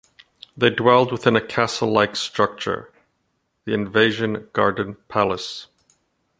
They dwelled within a castle-like structure, the Invasion Garden Palace.